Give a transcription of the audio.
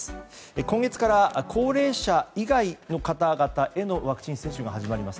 今月から高齢者以外への方々へのワクチン接種が始まります。